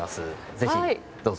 ぜひどうぞ。